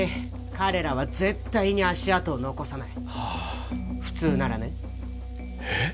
彼らは絶対に足跡を残さないはあ普通ならねえっ？